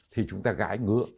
thì chúng ta gãi ngứa